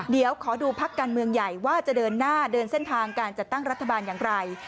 เดี๋ยวขอดูพักการเมืองใหญ่ว่าจะเดินหน้าเดินเส้นทางการจัดตั้งรัฐบาลอย่างไร